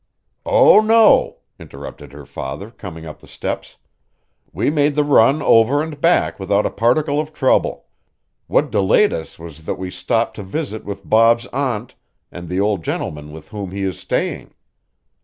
"Oh, no," interrupted her father, coming up the steps. "We made the run over and back without a particle of trouble. What delayed us was that we stopped to visit with Bob's aunt and the old gentleman with whom he is staying.